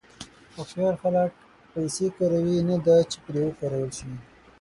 هوښیار خلک پیسې کاروي، نه دا چې پرې وکارول شي.